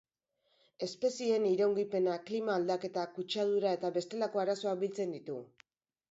Espezieen iraungipena, klima aldaketa, kutsadura eta bestelako arazoak biltzen ditu.